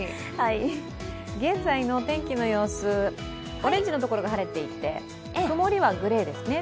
現在の天気の様子、オレンジの所が晴れていて曇りはグレーですね。